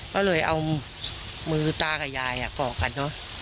ก็เลยเอามือตากับยายก่อกันเนอะ